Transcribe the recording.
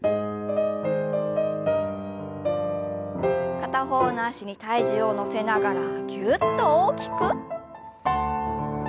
片方の脚に体重を乗せながらぎゅっと大きく。